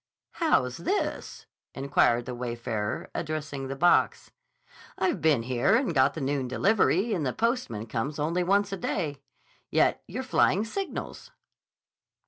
"How's this?" inquired the wayfarer, addressing the box. "I've been here and got the noon delivery, and the postman comes only once a day. Yet you're flying signals."